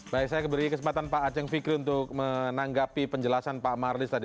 baik saya beri kesempatan pak aceh fikri untuk menanggapi penjelasan pak marlis tadi